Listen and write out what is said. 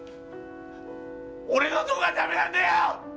俺のどこがダメなんだよ！